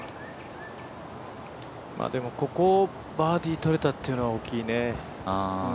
でもここをバーディー取れたっていうのは大きいね。